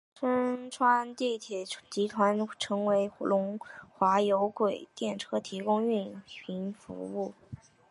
深圳地铁集团将为龙华有轨电车提供运营服务。